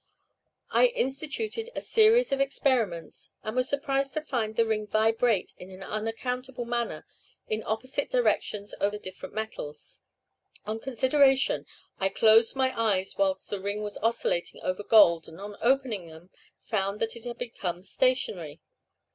I instituted a series of experiments, and was surprised to find the ring vibrate in an unaccountable manner in opposite directions over different metals. On consideration, I closed my eyes whilst the ring was oscillating over gold, and on opening them I found that it had become stationary.